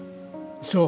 そう。